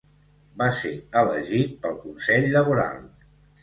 Va ser elegit pel consell laboral.